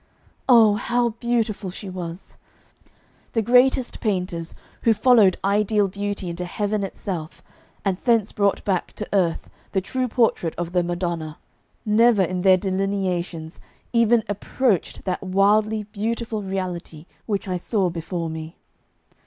Oh, how beautiful she was! The greatest painters, who followed ideal beauty into heaven itself, and thence brought back to earth the true portrait of the Madonna, never in their delineations even approached that wildly beautiful reality which I saw before me.